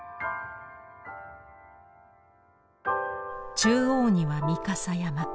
中央には御蓋山。